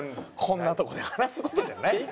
こんなとこで話す事じゃないって。